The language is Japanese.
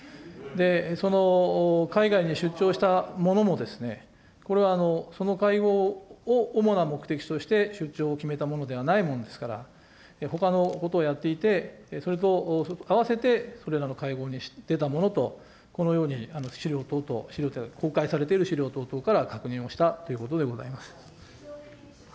その海外に出張したものも、これはその会合を主な目的として出張を決めたものではないものですから、ほかのことをやっていて、それと併せてそれらの会合に出たものと、このように、資料等々、資料というか、公開されている資料等々から確認をしたということでございます。